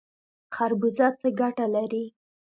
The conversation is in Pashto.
خربوزه څه ګټه لري؟